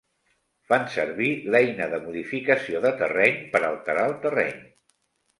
Fan servir l'eina de modificació de terreny per alterar el terreny.